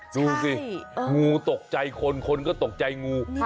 ดูสิงูตกใจคนคนก็ตกใจงู